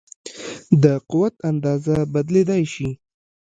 د قوت اندازه بدلېدای شي.